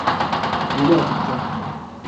不要緊張